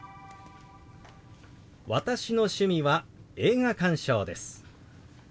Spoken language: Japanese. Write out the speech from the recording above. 「私の趣味は映画鑑賞です」。